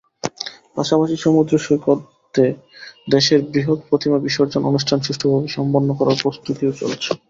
পাশাপাশি সমুদ্রসৈকতে দেশের বৃহৎ প্রতিমা বিসর্জন অনুষ্ঠান সুষ্ঠুভাবে সম্পন্ন করার প্রস্তুতিও চলছে।